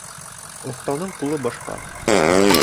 Оҫтаның ҡулы башҡа.